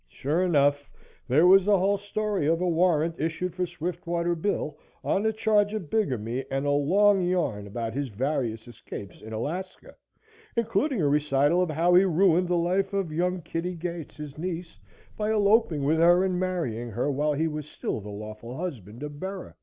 Sure enough, there was the whole story of a warrant issued for Swiftwater Bill on the charge of bigamy and a long yarn about his various escapes in Alaska, including a recital of how he ruined the life of young Kitty Gates, his niece, by eloping with her and marrying her while he was still the lawful husband of Bera.